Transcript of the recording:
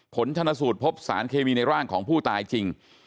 ผลชนสูตรพบสารเคมีในร่างของผู้ตายจริง